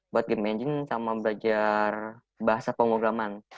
buat game engine sama belajar bahasa pemrograman